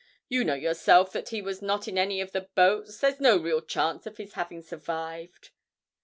You know yourself that he was not in any of the boats; there's no real chance of his having survived.'